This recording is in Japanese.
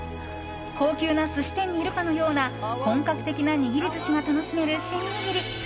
高級な寿司店にいるかのような本格的な握り寿司が楽しめるシン握り。